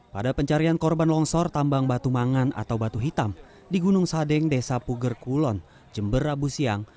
pada pencarian korban longsor tambang batu mangan atau batu hitam di gunung sadeng desa puger kulon jember rabu siang